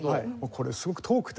これすごく遠くて。